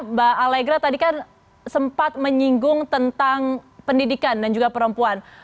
mbak alegra tadi kan sempat menyinggung tentang pendidikan dan juga perempuan